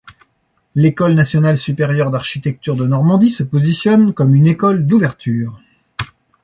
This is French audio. L’École nationale supérieure d'architecture de Normandie se positionne comme une école d’ouverture.